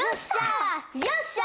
よっしゃ！